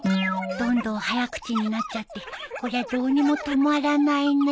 どんどん早口になっちゃってこりゃどうにも止まらないね